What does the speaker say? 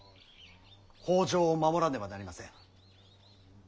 北条を守らねばなりません。